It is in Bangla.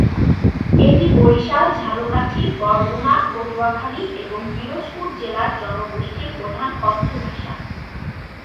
এটি বরিশাল, ঝালকাঠি, বরগুনা, পটুয়াখালী এবং পিরোজপুর জেলার জনগোষ্ঠীর প্রধান কথ্য ভাষা।